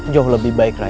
jauh lebih baik rai